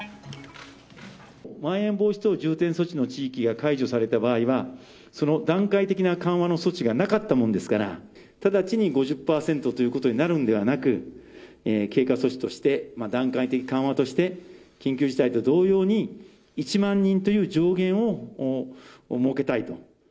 まん延防止等重点措置の地域が解除された場合は、その段階的な緩和の措置がなかったもんですから、直ちに５０％ということになるんではなく、経過措置として、段階的緩和として、緊急事態と同様に、１万人という上限を設けたいと。